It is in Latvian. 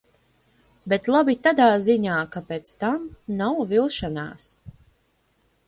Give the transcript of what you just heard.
Bet labi tādā ziņā, ka pēc tam nav vilšanās.